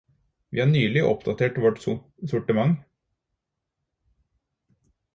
Vi har nylig oppdatert vårt sortiment.